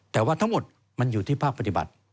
แต่ว่าทั้งหมดมันอยู่ที่ภาคปฏิบัติ